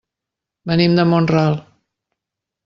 Venim de Mont-ral.